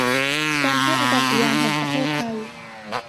การท่าอากาศยานแห่งประเทศไทย